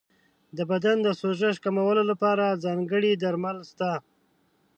د بدن د سوزش کمولو لپاره ځانګړي درمل شته.